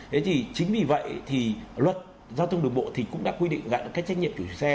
thế thì chính vì vậy thì luật giao thông đường bộ thì cũng đã quy định gặp các trách nhiệm của xe